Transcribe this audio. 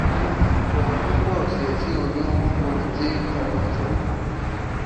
د حقوقو او سیاسي علومو پوهنځي تاریخچه